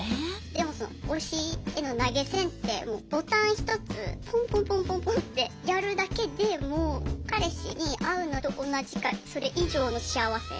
でもその推しへの投げ銭ってボタン一つぽんぽんぽんぽんぽんってやるだけでもう彼氏に会うのと同じかそれ以上の幸せ。